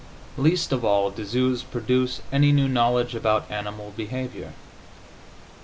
Least of all do zoos produce any new knowledge about animal behavior.